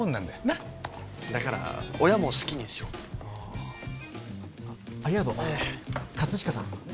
なっだから親も好きにしろってああありがとう葛飾さん